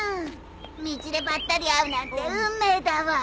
道でばったり会うなんて運命だわ！